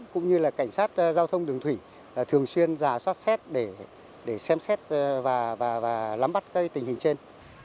cũng như là cảnh sát giao thông đường thủy thường xuyên giả soát xét để xem xét và lắm bắt các tình hình trên